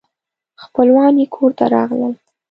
خپلوان یې کور ته راغلل.